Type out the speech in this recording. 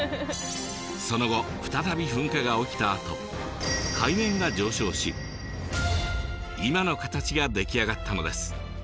その後再び噴火が起きたあと海面が上昇し今の形が出来上がったのです。